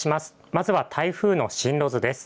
まずは台風の進路図です。